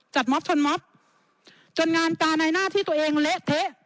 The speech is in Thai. ม็อบชนม็อบจนงานการในหน้าที่ตัวเองเละเทะ